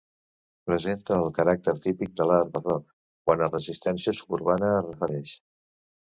Presenta el caràcter típic de l'art barroc quant a residència suburbana es refereix.